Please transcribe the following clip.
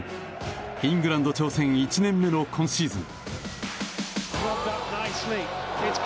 イングランド挑戦１年目の今シーズン。